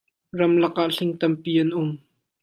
Ramlak ah hling tampi an um.